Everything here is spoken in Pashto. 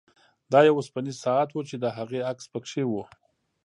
دا یو اوسپنیز ساعت و چې د هغې عکس پکې و